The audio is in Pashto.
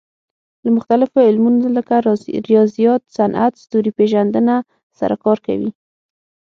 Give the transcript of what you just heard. له مختلفو علومو لکه ریاضیات، صنعت، ستوري پېژندنه سره کار کوي.